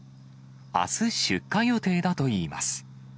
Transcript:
あす出荷予定だといいます。